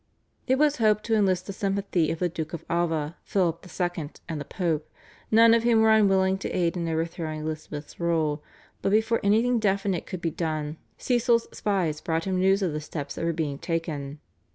It was hoped to enlist the sympathy of the Duke of Alva, Philip II. and the Pope, none of whom were unwilling to aid in overthrowing Elizabeth's rule, but before anything definite could be done Cecil's spies brought him news of the steps that were being taken.